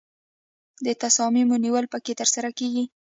د تصامیمو نیول پکې ترسره کیږي.